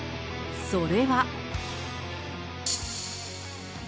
それは。